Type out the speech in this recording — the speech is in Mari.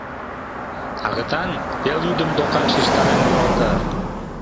Агытан пелйӱдым докан шижтарен муралта.